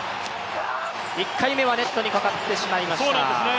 １回目はネットにかかってしまいました。